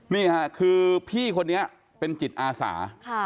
นี่ค่ะคือพี่คนนี้เป็นจิตอาสา